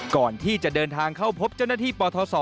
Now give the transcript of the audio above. ก่อนที่จะเดินทางเข้าพบเจ้าหน้าที่ปทศ